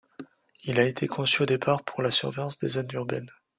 Il a été conçu au départ pour la surveillance des zones urbaines.